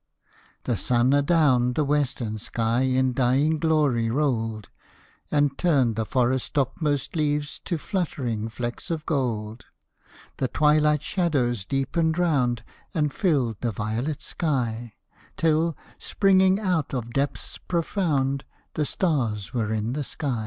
The sun adown the western sky in dying glory rolled, And turned the forest's topmost leaves to fluttering flecks of gold ; The twilight shadows deepened round And filled the violet sky, Till, springing out of depths profound, The stars were in the sky.